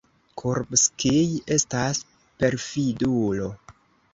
Kurbskij estas perfidulo.